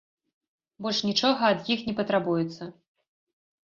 Больш нічога ад іх не патрабуецца.